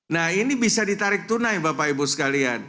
nah ini bisa ditarik tunai bapak ibu sekalian